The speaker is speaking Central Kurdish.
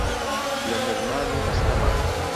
لە نەرمان و ئەستەما